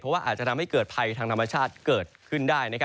เพราะว่าอาจจะทำให้เกิดภัยทางธรรมชาติเกิดขึ้นได้